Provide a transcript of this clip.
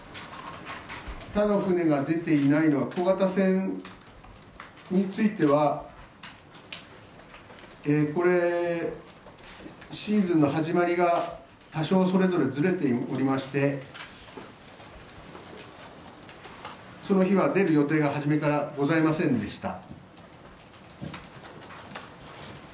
他の船が出ていないのは、小型船については、シーズンの始まりが多少それぞれずれておりましてその日は出る予定が初めからございませんでした。